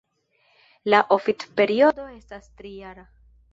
La oficperiodo estas tri-jara.